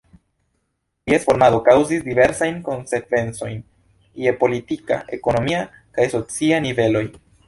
Ties formado kaŭzis diversajn konsekvencojn je politika, ekonomia kaj socia niveloj.